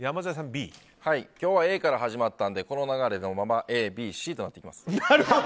今日はＡから始まったのでこの流れのままＡ、Ｂ、Ｃとなってきます。